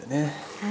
はい。